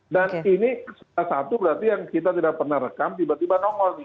dan ini salah satu berarti yang kita tidak pernah rekam tiba tiba nongol nih